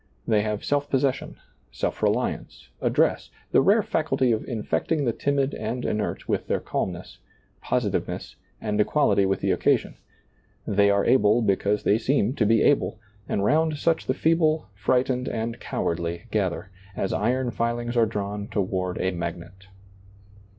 They have self pos session, self reliance, address, the rare faculty of infecting the timid and inert with their calmness, positiveness, and equality with the occasion ; they are able because they seem to be able, and round such the feeble, frightened, and cowardly gather, as iron iilings are drawn toward a magnet.